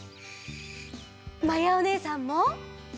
まやおねえさんも！